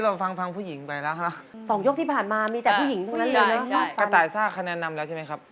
ร้องได้ครับไว้ล่ะครับไว้ครับ